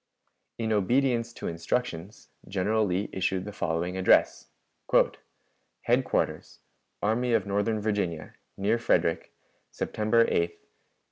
In obedience to instructions, General Lee issued the following address: "HEADQUARTERS, ARMY OF NORTHERN VIRGINIA, NEAR FREDERICK, _September 8, 1862.